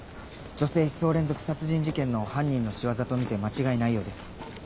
女性刺創連続殺人事件の犯人の仕業とみて間違いないようです。